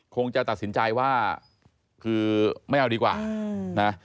คงจะตัดสินใจว่าคือไม่เอาดีกว่านะ